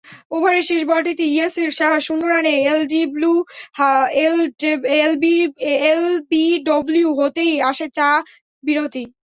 ওভারের শেষ বলটিতে ইয়াসির শাহ শূন্য রানে এলবিডব্লু হতেই আসে চা-বিরতি।